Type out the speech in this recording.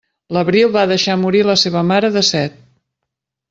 L'Abril va deixar morir la seva mare de set.